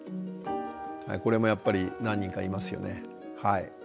これもやっぱり何人かいますよね。